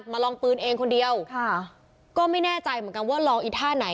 มาลองปืนเองคนเดียวค่ะก็ไม่แน่ใจเหมือนกันว่าลองอีท่าไหน